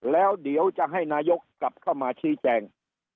แล้วเดี๋ยวจะให้นายกกลับเข้ามาชี้แจง